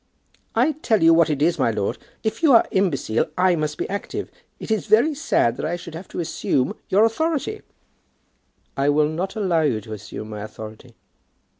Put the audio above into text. "I'll tell you what it is, my lord; if you are imbecile, I must be active. It is very sad that I should have to assume your authority " "I will not allow you to assume my authority."